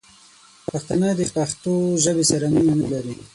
پښتانه دپښتو ژبې سره مینه نه لري